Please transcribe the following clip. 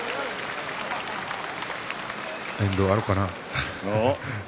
遠藤、あるかな？